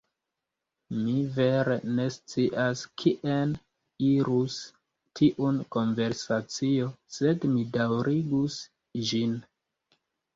Mi vere ne scias kien irus tiun konversacion, sed mi daŭrigus ĝin.